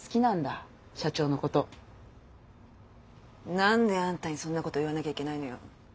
何であんたにそんなこと言わなきゃいけないのよ。